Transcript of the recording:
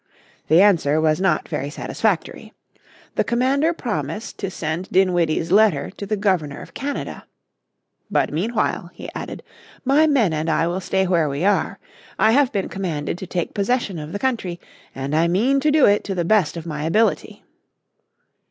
The answer was not very satisfactory. The commander promised to send Dinwiddie's letter to the Governor of Canada. "But meanwhile," he added, "my men and I will stay where we are. I have been commanded to take possession of the country, and I mean to do it to the best of my ability."